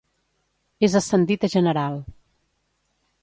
És ascendit a general.